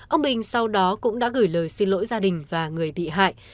ông bình sau đó cũng đã gửi lời xin lỗi gia đình và người bị hại